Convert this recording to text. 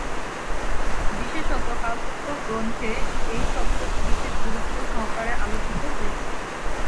বিশেষত কালচক্র গ্রন্থে এই শব্দটি বিশেষ গুরুত্ব সহকারে আলোচিত হয়েছে।